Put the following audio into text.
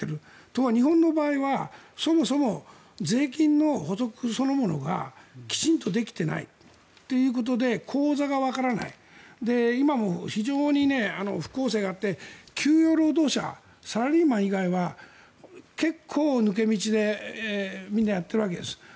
ところが日本の場合はそもそも税金の捕捉そのものがきちんとできていないということで口座がわからない今も非常に不公平があって、給与労働者サラリーマン以外は結構抜け道でみんなやっているわけです。